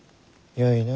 よいな。